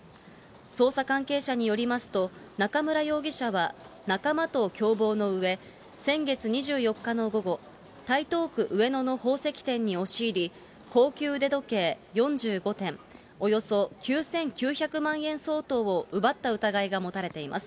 捜査関係者によりますと、中村容疑者は仲間と共謀のうえ、先月２４日の午後、台東区上野の宝石店に押し入り、高級腕時計４５点、およそ９９００万円相当を奪った疑いが持たれています。